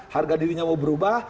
harga dirinya mau berubah